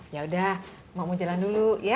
yaudah mak mau jalan dulu ya